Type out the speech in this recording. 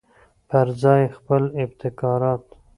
پرځای یې خپل ابتکارات.